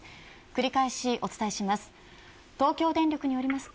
繰り返しお伝えします。